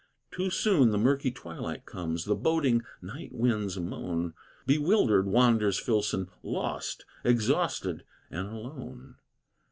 Too soon the murky twilight comes, The boding night winds moan; Bewildered wanders Filson, lost, Exhausted, and alone.